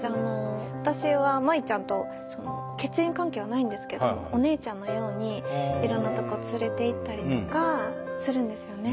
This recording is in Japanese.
私は舞ちゃんと血縁関係はないんですけどお姉ちゃんのようにいろんなとこ連れていったりとかするんですよね。